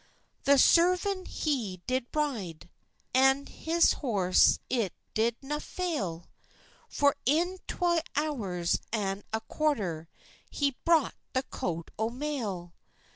The servan he did ride, An his horse it did na fail, For in twa hours an a quarter He brocht the coat o mail.